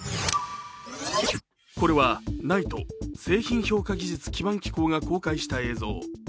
これはＮＩＴＥ＝製品評価技術基盤機構が公開した映像。